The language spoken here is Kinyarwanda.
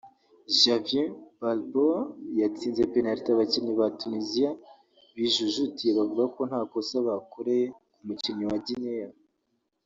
Javier Balboa yatsinze penaliti abakinnyi ba Tuniziya bijujutiye bavuga ko nta kosa bakoreye ku mukinnyi Guinea